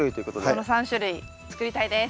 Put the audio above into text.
その３種類作りたいです。